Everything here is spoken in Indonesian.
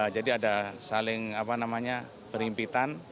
jadi ada saling berimpitan